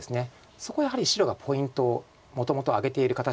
そこをやはり白がポイントをもともと挙げている形なので。